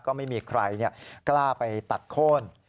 ก็ไม่มีใครกล้าไปตัดโค้น